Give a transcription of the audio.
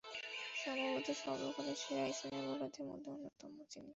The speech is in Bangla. সম্ভবতঃ সর্বকালের সেরা স্পিন বোলারদের মধ্যে অন্যতম তিনি।